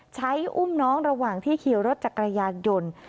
อุ้มน้องระหว่างที่ขี่รถจักรยานยนต์